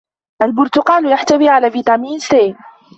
البرتقال يحتوي على فيتامين سي